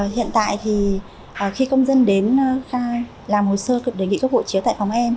hiện tại thì khi công dân đến khai làm hồ sơ cực đề nghị cấp hộ chiếu tại phòng em